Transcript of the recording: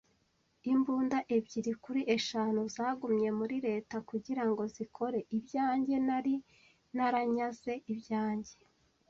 imbunda ebyiri kuri eshanu zagumye muri leta kugirango zikore. Ibyanjye nari naranyaze ibyanjye